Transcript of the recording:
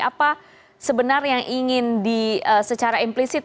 apa sebenarnya yang ingin secara implisit